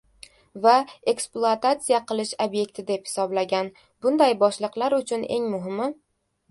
va ekspluatatsiya qilish ob’ekti deb hisoblagan. Bunday boshliqlar uchun eng muhimi